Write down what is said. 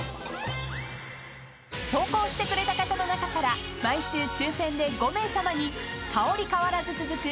［投稿してくれた方の中から毎週抽選で５名さまに香り変わらず続く